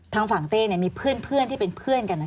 ทางฝั่งเต้เนี่ยมีเพื่อนเพื่อนที่เป็นเพื่อนกันนะ